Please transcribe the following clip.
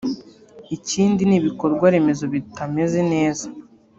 Ikindi ni ibikorwa remezo bitameze neza